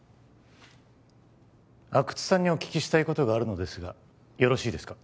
阿久津さんにお聞きしたいことがあるのですがよろしいですか？